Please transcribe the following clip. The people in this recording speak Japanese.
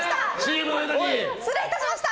失礼いたしました！